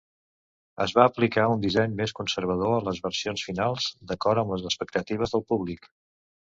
Es va aplicar un disseny més conservador a les versions finals, d'acord amb les expectatives del públic.